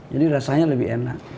jadi rasanya lebih enak